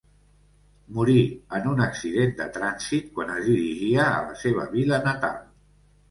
Morí en un accident de trànsit quan es dirigia a la seva vila natal.